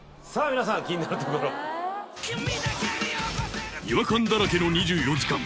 皆さん気になるところ違和感だらけの２４時間